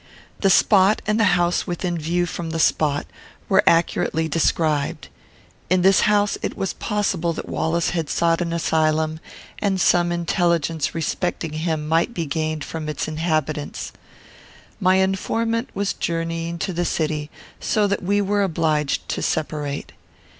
The spot, and the house within view from the spot, were accurately described. In this house it was possible that Wallace had sought an asylum, and some intelligence respecting him might be gained from its inhabitants. My informant was journeying to the city, so that we were obliged to separate.